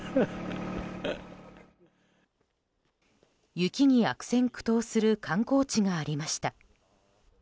雪に悪戦苦闘する観光地がありました。